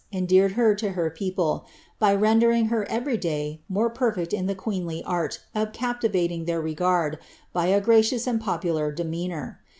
endeared her to her people, by rendering her every day more perfect in the queenly art of captivating their regard, by a gracious and popular demeanour.